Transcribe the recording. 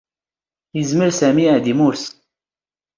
ⵉⵣⵎⵔ ⵙⴰⵎⵉ ⴰⴷ ⵉⵎⵓⵔⵙ.